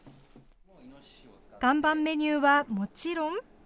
看板メニューはもちろん。